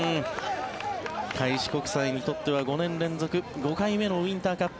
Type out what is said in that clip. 開志国際にとっては５年連続５回目のウインターカップ。